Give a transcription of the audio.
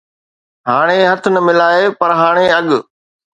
ھاڻي ھٿ نه ملائي، پر ھاڻي اڳ